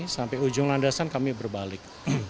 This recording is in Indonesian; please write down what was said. sampai ujung landasan kami berbalik